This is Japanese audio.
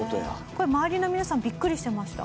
これ周りの皆さんビックリしてました？